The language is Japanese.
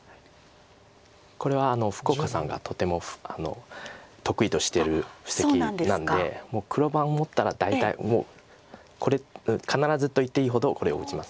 これは福岡さんがとても得意としてる布石なんでもう黒番持ったら大体これ必ずといっていいほどこれを打ちますので。